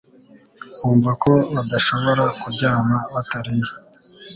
bumva ko badashobora kuryama batariye.